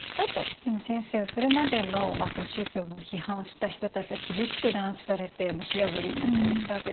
でも先生それまでの宗教の批判した人たちは厳しく弾圧されて火あぶりになったりしたわけですよね。